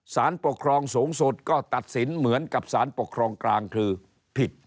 สารปกครองสูงสุดก็ตัดสินเหมือนกับสารปกครองกลางคือผิด